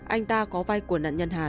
anh ta có vai của nạn nhân hà